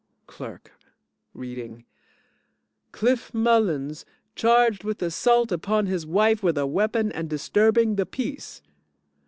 CLERK (Reading) Cliff Mullins, charged with assault upon his wife with a weapon and disturbing the peace.